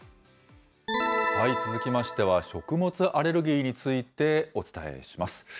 続きましては、食物アレルギーについてお伝えします。